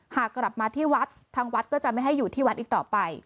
หากกลับมาที่วัดทางวัดก็จะไม่ให้อยู่ที่วัดอีกต่อไป